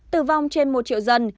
tử vong trên một triệu dân